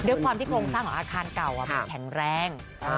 ด้วยความที่โครงสร้างของอาคารเก่ามันแข็งแรง